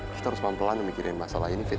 kita harus pelan pelan memikirin masalah ini fit